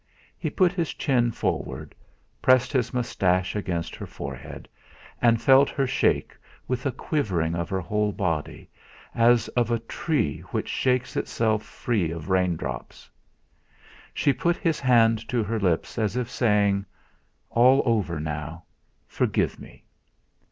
He put his chin forward, pressed his moustache against her forehead, and felt her shake with a quivering of her whole body, as of a tree which shakes itself free of raindrops. She put his hand to her lips, as if saying: "All over now! Forgive me!"